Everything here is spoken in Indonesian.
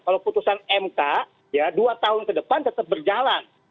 kalau putusan mk ya dua tahun ke depan tetap berjalan